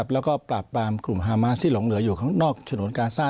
แล้วก็ปราบปรามกลุ่มฮามาสที่หลงเหลืออยู่ข้างนอกฉนวนกาซ่า